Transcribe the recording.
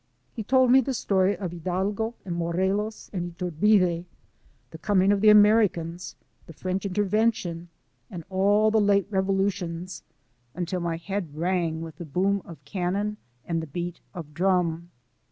He told me the story of Hidalgo and Morelos and Iturbide ; the coming of the Americans, the French Intervention, and all the late revolutions, until my head rang with the boom of cannon and the beat 66 FACE TO FACE WITH THE MEXICANS. of drum.